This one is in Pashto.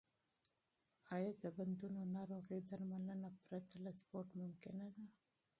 آیا د بندونو ناروغي درملنه پرته له سپورت ممکنه ده؟